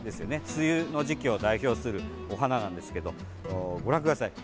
梅雨の時期を代表するお花なんですけど、ご覧ください。